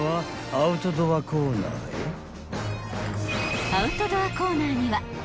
［アウトドアコーナーには］